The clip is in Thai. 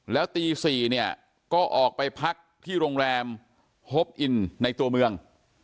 แล้วตี๔เนี่ยก็ออกไปพักที่โรงแรมฮอปอินในตัวเมือง